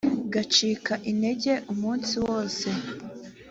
ngacika intege umunsi wose